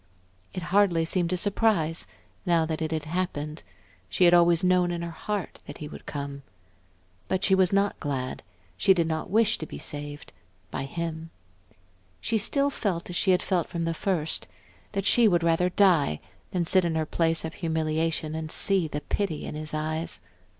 It hardly seemed a surprise, now that it had happened; she had always known in her heart that he would come. But she was not glad, she did not wish to be saved by him. She still felt as she had felt from the first, that she would rather die than sit in her place of humiliation and see the pity in his eyes....